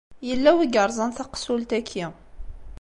Yella win i yeṛẓan taqessult-aki.